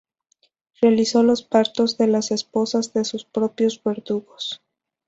Realizó los partos de las esposas de sus propios verdugos.